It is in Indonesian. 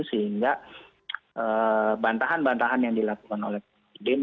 sehingga bantahan bantahan yang dilakukan oleh pak nurdin